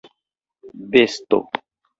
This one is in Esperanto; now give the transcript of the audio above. besto